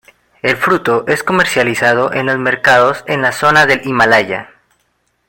El fruto es comercializado en los mercados en la zona del Himalaya.